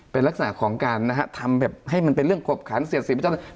เป็นลักษณะของการทำให้มันเป็นเรื่องขบขันเสียสีประชาติศาสตร์